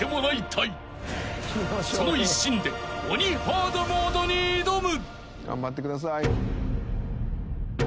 ［その一心で鬼ハードモードに挑む］